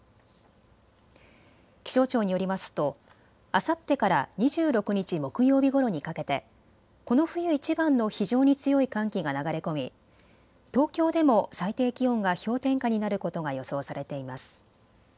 気象庁によりますとあさってから２６日木曜日ごろにかけてこの冬いちばんの非常に強い寒気が流れ込み東京でも最低気温が氷点下になることが予想されています。